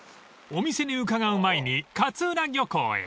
［お店に伺う前に勝浦漁港へ］